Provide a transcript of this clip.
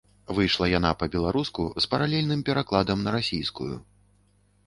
Выйшла яна па-беларуску з паралельным перакладам на расійскую.